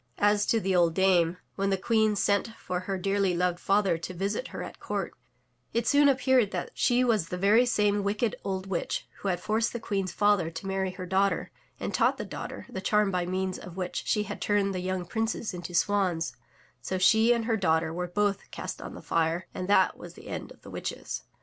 As to the old dame, when the Queen sent for her dearly loved father to visit her at her court, it soon appeared that she was the very same wicked old witch who had forced the Queen's father to marry her daughter, and taught the daughter the charm by means of which she had turned the yoimg princes into swans, so she and her daughter were both cast on the fire and that was the end of the witches.